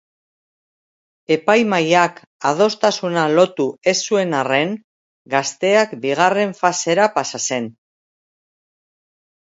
Epaimahaiak adostasuna lotu ez zuen arren, gazteak bigarren fasera pasa zen.